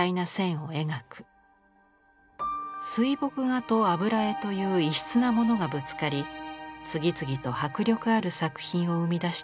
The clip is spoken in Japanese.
水墨画と油絵という異質なものがぶつかり次々と迫力ある作品を生み出してきました。